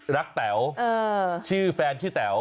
แต๋วชื่อแฟนชื่อแต๋ว